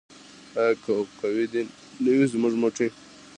آیا قوي دې نه وي زموږ مټې؟